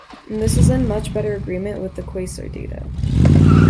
This is in much better agreement with the quasar data.